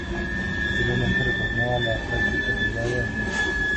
Posteriormente, retornó a la práctica privada en Boston.